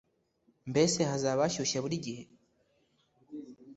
mbese hazaba hashyushye buri gihe”